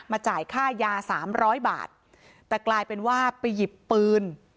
จ่ายค่ายาสามร้อยบาทแต่กลายเป็นว่าไปหยิบปืน